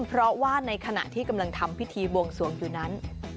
เพราะว่าในขณะที่กำลังทำพิธีบวงสวงอยู่นั้น